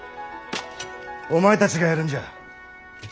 お前たちがやるんじゃ。